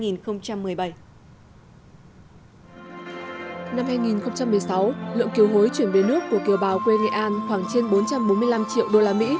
năm hai nghìn một mươi sáu lượng kiều hối chuyển về nước của kiều bào quê nghệ an khoảng trên bốn trăm bốn mươi năm triệu usd